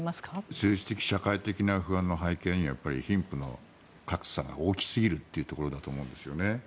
政治的、社会的な不安の背景にはやっぱり貧富の格差が大きすぎるというところだと思うんですよね。